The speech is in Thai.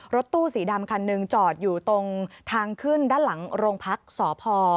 รถตู้สีดำคันหนึ่งจอดอยู่ตรงทางขึ้นด้านหลังโรงพักษพ